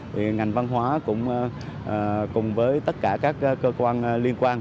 thì ngành văn hóa cũng cùng với tất cả các cơ quan liên quan